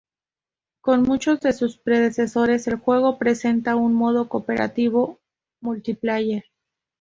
Como muchos de sus predecesores, el juego presenta un modo cooperativo multiplayer.